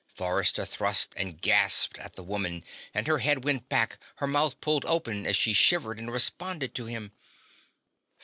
Forrester thrust and gasped at the woman and her head went back, her mouth pulled open as she shivered and responded to him....